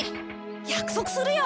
約束するよ。